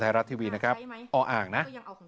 ไทยรัฐทีวีนะครับออ่างนะ